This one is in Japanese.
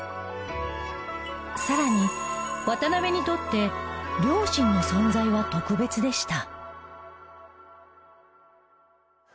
さらに渡邊にとって両親の存在は特別でした。